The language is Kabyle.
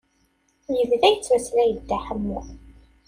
Yebda yettmeslay Dda Ḥemmu.